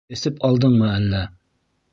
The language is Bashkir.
Эсеп алдыңмы әллә?